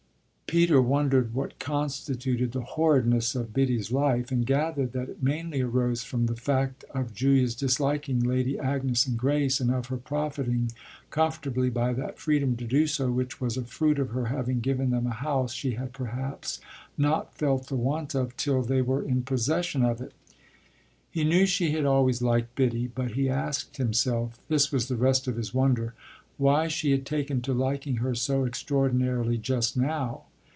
Peter wondered what constituted the horridness of Biddy's life, and gathered that it mainly arose from the fact of Julia's disliking Lady Agnes and Grace and of her profiting comfortably by that freedom to do so which was a fruit of her having given them a house she had perhaps not felt the want of till they were in possession of it. He knew she had always liked Biddy, but he asked himself this was the rest of his wonder why she had taken to liking her so extraordinarily just now.